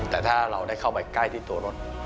แต่ถ้าเราได้เข้าไปใกล้ที่ตัวรถ